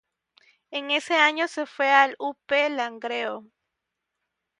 En ese año se fue al U. P. Langreo.